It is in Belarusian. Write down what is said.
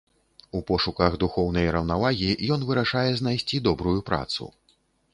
У пошуках духоўнай раўнавагі ён вырашае знайсці добрую працу.